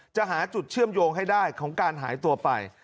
หาจุดเชื่อมโยงให้ได้ของการหายตัวไป